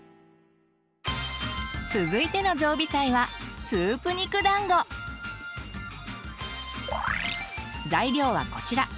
続いての常備菜は材料はこちら。